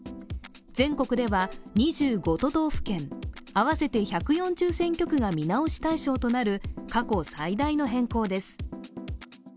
全国では２５都道府県、合わせて１４０選挙区が見直し対象となる過去最大の変更です。